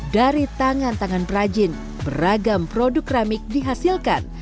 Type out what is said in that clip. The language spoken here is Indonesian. dari tangan tangan perajin beragam produk keramik dihasilkan